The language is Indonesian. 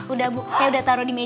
udah bu saya udah taro di sini